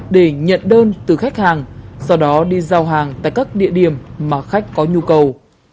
để nhận đơn từ khách hàng sau đó đi giao hàng tại các địa điểm mà khách có nhu cầu